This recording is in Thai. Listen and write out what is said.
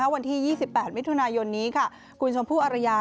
วันที่๒๘มิถุนายนนี้คุณชมพู่อรยา